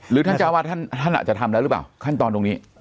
ท่านเจ้าวาดท่านอาจจะทำแล้วหรือเปล่าขั้นตอนตรงนี้